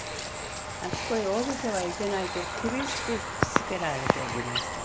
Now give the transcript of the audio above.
あそこへ下りてはいけないって厳しくしつけられておりました。